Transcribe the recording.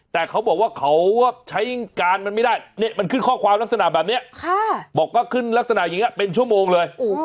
แต่เขาบอกว่าเขาใช้การมันไม่ได้มันขึ้นข้อความลักษณะแบบนี้บอกว่าขึ้นลักษณะอย่างนี้เป็นชั่วโมงเลย